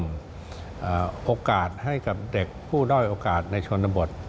โอกาสให้กับเด็กผู้ด้อยโอกาสในชนบท